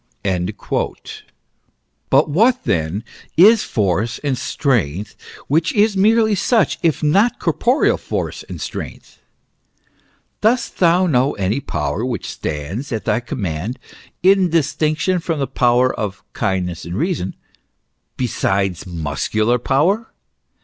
"* But what then is force and strength which is merely such, if not corporeal force and strength ? Dost them know any power which stands at thy command, in distinction from the power of kindness and reason, besides muscular power?